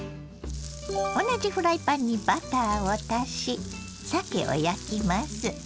同じフライパンにバターを足しさけを焼きます。